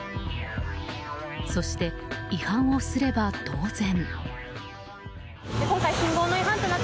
そして違反をすれば当然。